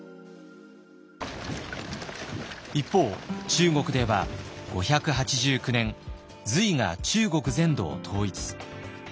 一方中国では５８９年隋が中国全土を統一。